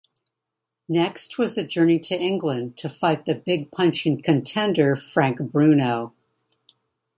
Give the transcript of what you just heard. Next was a journey to England to fight the big-punching contender Frank Bruno.